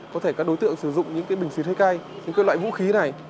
có thể các đối tượng sử dụng những bình xuyên hay cây những loại vũ khí này